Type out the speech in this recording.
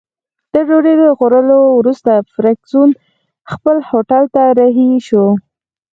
د ډوډۍ له خوړلو وروسته فرګوسن خپل هوټل ته رهي شوه.